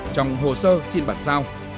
trong hồ sơ xin bản giao